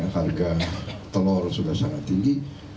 harga telur sudah sangat tinggi